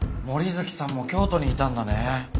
森月さんも京都にいたんだね。